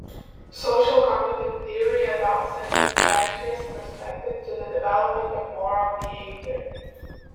Social cognitive theory adopts an "interactionist" perspective to the development of moral behavior.